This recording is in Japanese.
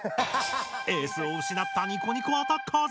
エースをうしなったニコニコアタッカーズ。